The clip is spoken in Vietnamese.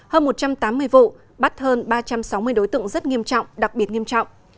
hơn một trăm tám mươi vụ bắt hơn ba trăm sáu mươi đối tượng rất nghiêm trọng đặc biệt nghiêm trọng